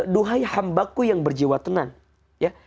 duhai hambaku yang berjiwa tenang ya